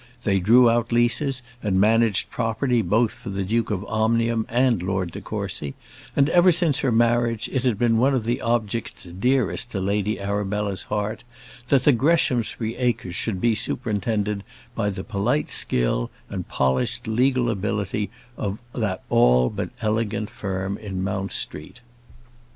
They drew out leases, and managed property both for the Duke of Omnium and Lord de Courcy; and ever since her marriage, it had been one of the objects dearest to Lady Arabella's heart, that the Greshamsbury acres should be superintended by the polite skill and polished legal ability of that all but elegant firm in Mount Street.